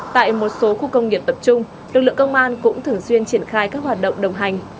tại một số khu công nghiệp tập trung lực lượng công an cũng thường xuyên triển khai các hoạt động đồng hành